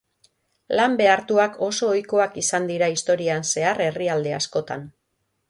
Lan behartuak oso ohikoak izan dira historian zehar herrialde askotan.